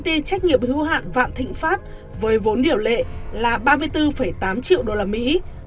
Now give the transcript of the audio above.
nghiệp khách nghiệp hưu hạn vạn thịnh pháp với vốn điều lệ là ba mươi bốn tám triệu đô la mỹ